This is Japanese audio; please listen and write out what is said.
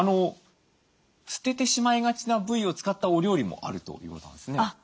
捨ててしまいがちな部位を使ったお料理もあるということなんですね。